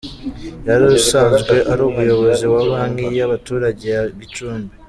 Yari usanzwe ari umuyobozi wa Banki y’Abaturage ya Gicumbi.